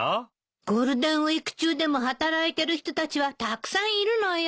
ゴールデンウィーク中でも働いてる人たちはたくさんいるのよ。